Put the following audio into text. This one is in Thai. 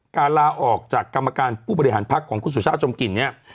ลาออกจากกรรมการผู้บริหารพักของคุณสุชาติชมกลิ่นเนี่ย